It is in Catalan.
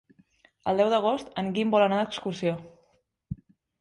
El deu d'agost en Guim vol anar d'excursió.